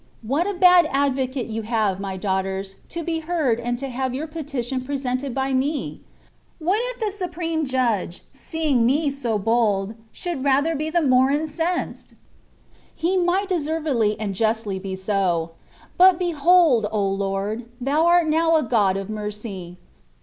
What a bad advocate you have, my daugh ters, to be heard and to have your petition presented by me ? What if the Supreme Judge, geeing me so bold, should rather be the more incensed ? He might deservedly and justly be so. But, behold, O Lord ! Thou art now a God of Mercy.